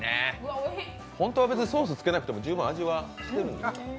本当は別にソースつけなくても、十分味がついているんですね。